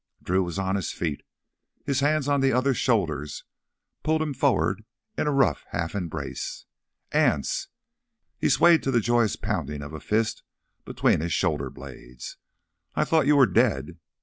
Drew was on his feet. His hands on the other's shoulders pulled him forward into a rough half embrace. "Anse!" He swayed to the joyous pounding of a fist between his shoulder blades. "I thought you were dead!"